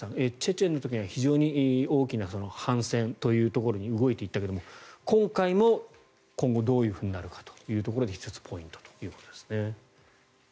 チェチェンの時には非常に大きな反戦というところに動いていったけれども今回も今後、どうなるかというところで１つポイントということですね。